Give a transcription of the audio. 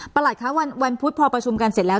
คะวันพุธพอประชุมกันเสร็จแล้ว